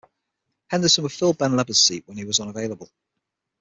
Henderson would fill Ben Leber's seat when he was unavailable.